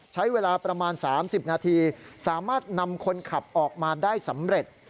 ใช้เวลาประมาณ๓๐นาทีสามารถนำคนขับออกมาได้สำเร็จ